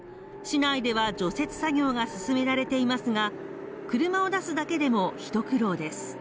市内では除雪作業が進められていますが車を出すだけでも一苦労です